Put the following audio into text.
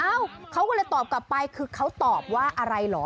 เอ้าเขาก็เลยตอบกลับไปคือเขาตอบว่าอะไรเหรอ